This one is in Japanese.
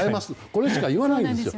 これしか言わないんですよ。